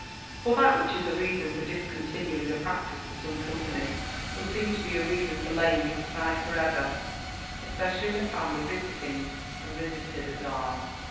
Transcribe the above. For that which is a reason for discontinuing a practice for some company, would seem to be a reason for laying it aside for ever, especially in a family visiting and visited as ours.